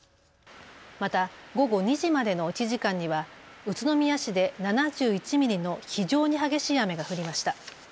また午後２時までの１時間には宇都宮市で７１ミリの非常に激しい雨が降りました。